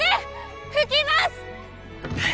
吹きます！